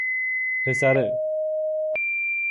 پسره